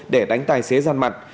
để đánh tài xế gian mặt